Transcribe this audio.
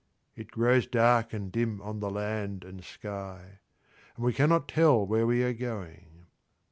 It grows dark and dim on the land and sky, and we cannot tell where we are going.